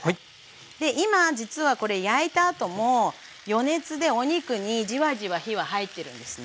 今実はこれ焼いたあとも余熱でお肉にジワジワ火は入ってるんですね。